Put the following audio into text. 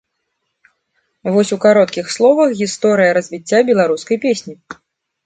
Вось у кароткіх словах гісторыя развіцця беларускай песні.